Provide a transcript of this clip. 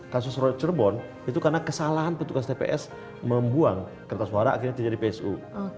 kasus roger bond itu karena kesalahan petugas tps membuang kertas suara akhirnya jadi psu